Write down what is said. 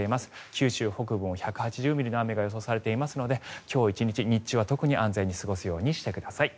九州北部も１８０ミリの雨が予想されていますので今日１日、日中は特に安全に過ごすようにしてください。